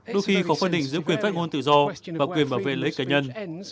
đôi khi có khóa định giữa quyền phát ngôn tự do và quyền bảo vệ lấy cá nhân